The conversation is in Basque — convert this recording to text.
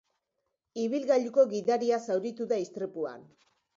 Ibilgailuko gidaria zauritu da istripuan.